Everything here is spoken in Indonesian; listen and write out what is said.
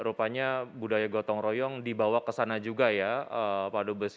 rupanya budaya gotong royong dibawa ke sana juga ya pak dubes